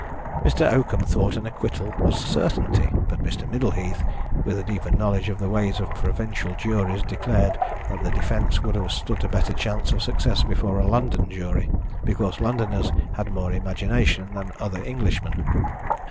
Mr. Oakham thought an acquittal was a certainty, but Mr. Middleheath, with a deeper knowledge of the ways of provincial juries, declared that the defence would have stood a better chance of success before a London jury, because Londoners had more imagination than other Englishmen.